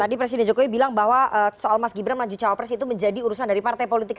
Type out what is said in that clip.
tadi presiden jokowi bilang bahwa soal mas gibran maju cawapres itu menjadi urusan dari partai politik